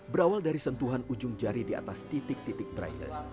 berawal dari sentuhan ujung jari di atas titik titik brian